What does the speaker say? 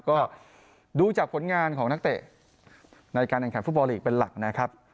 ก็ดูจากผลงานของนักเตะในการแข่งขันฟุตบอลลีกเป็นหลักนะครับ